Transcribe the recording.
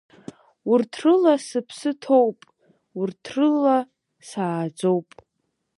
Урҭ рыла сыԥсы ҭоуп, урҭ рыла сааӡоуп.